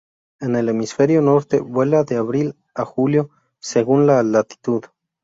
En el Hemisferio Norte vuela de abril a julio según la latitud.